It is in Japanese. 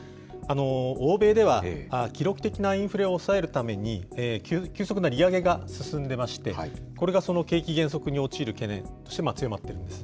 欧米では、記録的なインフレを抑えるために、急速な利上げが進んでまして、これがその景気減速に陥る懸念として強まっているんです。